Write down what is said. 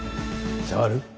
触る？